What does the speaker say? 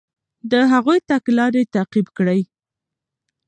د هغوی تګلارې تعقیب کړئ.